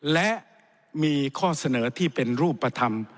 และมีข้อเสนอที่เป็นรูปธรรม